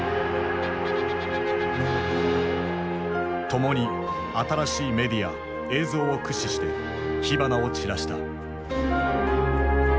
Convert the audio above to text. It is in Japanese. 共に新しいメディア・映像を駆使して火花を散らした。